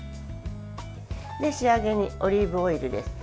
仕上げにオリーブオイルです。